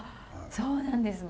そうなんですね。